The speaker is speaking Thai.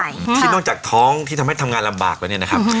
คิดว่าน้องจากท้องที่ทำงานลำบากแล้วนี่นะครับ